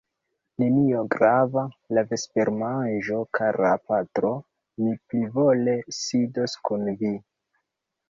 Nenio grava, la vespermanĝo, kara patro; mi plivole sidos kun vi.